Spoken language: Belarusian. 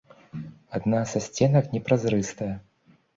Адна са сценак непразрыстая.